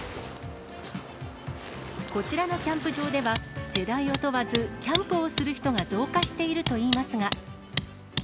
こちらのキャンプ場では、世代を問わず、キャンプをする人が増加しているといいますが。